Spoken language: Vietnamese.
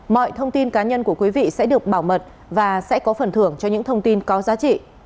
mọi thông tin cá nhân của quý vị sẽ được bảo mật và sẽ có phần thưởng cho những thông tin có giá trị